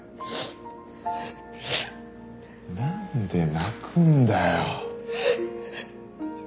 なんで泣くんだよ。